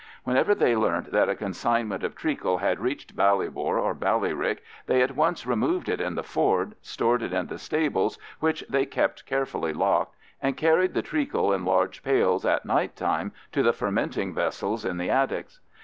Whenever they learnt that a consignment of treacle had reached Ballybor or Ballyrick, they at once removed it in the Ford, stored it in the stables, which they kept carefully locked, and carried the treacle in large pails at night time to the fermenting vessels in the attics.